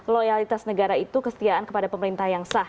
loyalitas negara itu kesetiaan kepada pemerintah yang sah